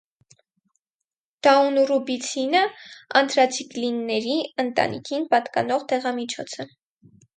Դաունուռուբիցինը անթրացիկլինների ընտանիքին պատկանող դեղամիջոց է։